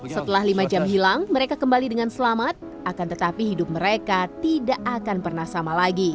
setelah lima jam hilang mereka kembali dengan selamat akan tetapi hidup mereka tidak akan pernah sama lagi